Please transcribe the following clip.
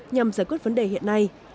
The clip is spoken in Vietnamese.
nhằm giải quyết vấn đề hiện nay